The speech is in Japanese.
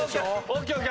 ＯＫＯＫ。